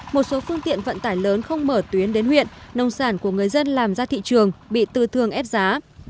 một số phương tiện vận tải lớn không mở tuyến đến huyện nông sản của người dân làm ra thị trường bị tư thương ép giá